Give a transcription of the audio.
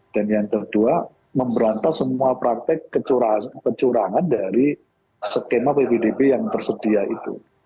dan yang kedua memberantah semua praktek kecurangan dari skema ppdb yang tersedia itu